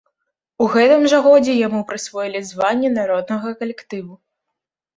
У гэтым жа годзе яму прысвоілі званне народнага калектыву.